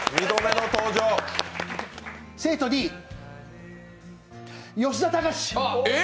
生徒Ｄ、吉田敬！